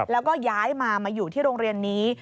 แล้วก็ย้ายมามาอยู่ที่โรงเรียนนี้